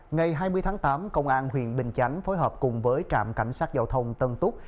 ngày hai mươi tháng tám công an huyện bình chánh phối hợp cùng với trạm cảnh sát giao thông tân túc